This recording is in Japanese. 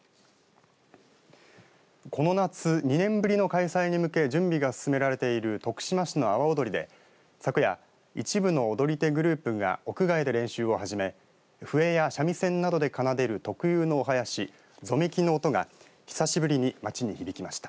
この夏２年ぶりの開催に向け準備が進められている徳島市の阿波おどりで昨夜、一部の踊り手グループが屋外で練習を始め笛や三味線などで奏でる特有のお囃子ぞめきの音が久しぶりに町に響きました。